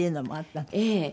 ええ。